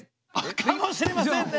かもしれませんね！